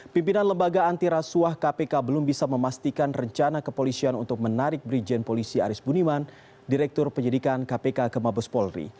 pimpinan lembaga antirasuah kpk belum bisa memastikan rencana kepolisian untuk menarik brigjen polisi aris buniman direktur penyidikan kpk ke mabes polri